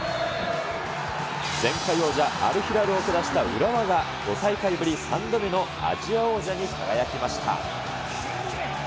前回王者、アルヒラルを浦和が５大会ぶり３度目のアジア王者に輝きました。